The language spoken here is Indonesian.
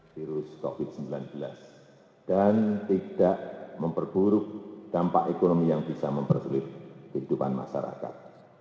virus covid sembilan belas dan tidak memperburuk dampak ekonomi yang bisa mempersulit kehidupan masyarakat